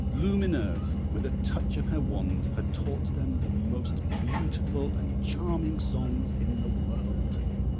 Lumineuse, with a touch of her wand, had taught them the most beautiful and charming songs in the world.